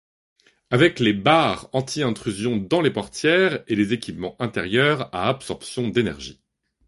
Avec les barres anti-intrusion dans les portières et les équipements intérieurs à absorption d'énergie.